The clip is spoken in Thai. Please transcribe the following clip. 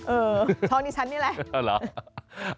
เออท้องดิฉันนี่แหละเอ้าหรือ